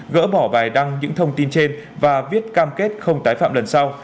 gỡ bỏ bài đăng những thông tin trên và viết cam kết không tái phạm lần sau